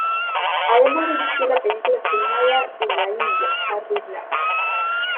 Además dirigió la película filmada en la India "Harry Black".